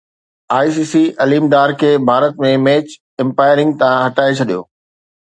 I C C Aleem Dar کي Bharat ۾ match umpiring تان هٽائي ڇڏيو